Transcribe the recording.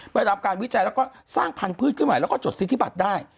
ได้รับการวิจัยแล้วก็สร้างพันธุ์ขึ้นใหม่แล้วก็จดสิทธิบัตรได้